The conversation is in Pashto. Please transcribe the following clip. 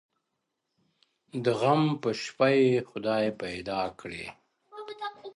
• د غم په شپه یې خدای پیدا کړی ,